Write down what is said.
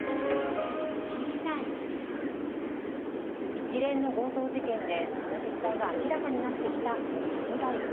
一連の強盗事件でその実態が明らかになってきた闇バイト。